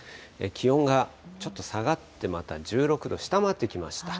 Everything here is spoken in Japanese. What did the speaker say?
気温がちょっと下がって、また１６度下回ってきました。